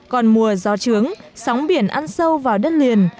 còn mùa gió trướng sóng biển ăn sâu vào đất liền